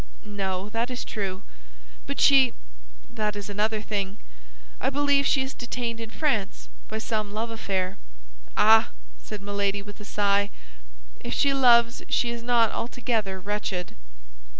"No, that is true; but she—that is another thing; I believe she is detained in France by some love affair." "Ah," said Milady, with a sigh, "if she loves she is not altogether wretched."